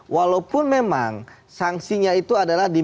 walaupun memang sanksinya itu adalah di